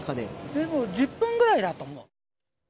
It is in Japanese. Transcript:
でも、１０分ぐらいだと思う。